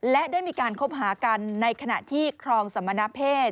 และได้มีการคบหากันในขณะที่ครองสมณเพศ